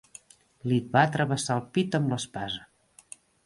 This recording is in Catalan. Li va travessar el pit amb l'espasa.